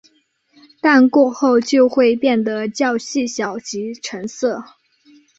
但过后就会变得较细小及沉色。